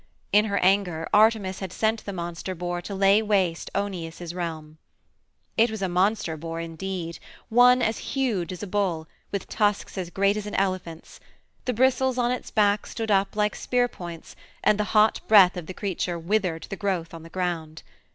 In her anger Artemis had sent the monster boar to lay waste Oeneus's realm. It was a monster boar indeed one as huge as a bull, with tusks as great as an elephant's; the bristles on its back stood up like spear points, and the hot breath of the creature withered the growth on the ground.